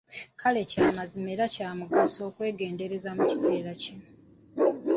Kale kya mazima era kya mugaso okwegendereza mu kiseera kino.